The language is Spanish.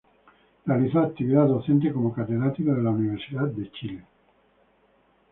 Realizó actividad docente como catedrático de la Universidad de Chile.